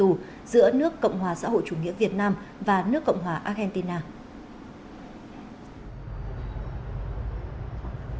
tù giữa nước cộng hòa xã hội chủ nghĩa việt nam và nước cộng hòa argentina